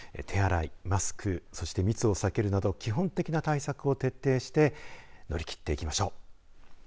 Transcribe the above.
手洗い、マスクそして密を避けるなど基本的な対策を徹底して乗り切っていきましょう。